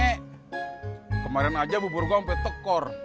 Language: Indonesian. nih kemarin aja bubur gue sampe tekor